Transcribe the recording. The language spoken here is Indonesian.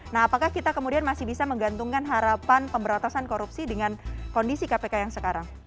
nah apakah kita kemudian masih bisa menggantungkan harapan pemberantasan korupsi dengan kondisi kpk yang sekarang